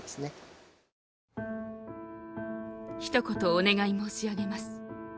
「一言お願い申し上げます。